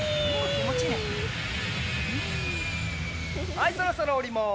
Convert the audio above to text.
はいそろそろおります。